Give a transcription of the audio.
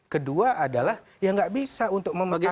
kedua adalah ya nggak bisa untuk memegang